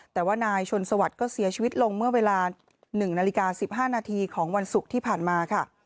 แต่ว่านายชนสวัสดิ์ก็เสียชีวิตลงเมื่อเวลา๑นาฬิกา๑๕นาทีของวันศุกร์ที่ผ่านมาค่ะ